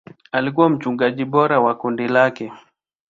Alikuwa mchungaji bora wa kundi lake.